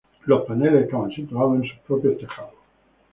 Los paneles estaban situados en sus propios tejados.